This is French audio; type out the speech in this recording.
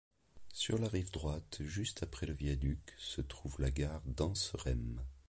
Sur la rive droite, juste après le viaduc, se trouve la gare d'Anseremme.